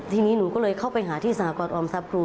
ทีนี้หนูก็เลยเข้าไปหาที่สหกรออมทรัพย์ครู